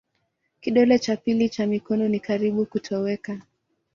Kidole cha pili cha mikono ni karibu ya kutoweka.